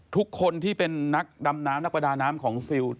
ทุกคนที่เป็นนักดำน้ำนักประดาน้ำของซิล